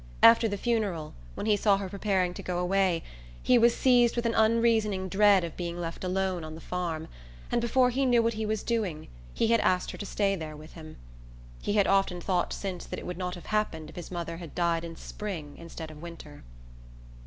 After the funeral, when he saw her preparing to go away, he was seized with an unreasoning dread of being left alone on the farm; and before he knew what he was doing he had asked her to stay there with him. He had often thought since that it would not have happened if his mother had died in spring instead of winter...